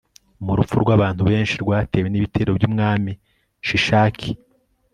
mu rupfu rw'abantu benshi rwatewe n'ibitero by'umwami shishaki